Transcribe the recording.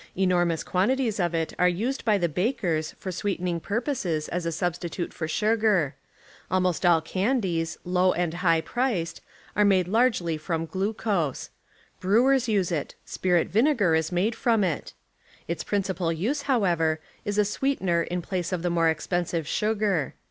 Enormous quantities of it are used by the bakers for sweetening purposes as a substi tute for sugar; almost all candies, low and high priced, are made largely from glucose; brewers use it, spirit vinegar is made from it. Its principal use, however, is a sweetener in place of the more expensive sugar.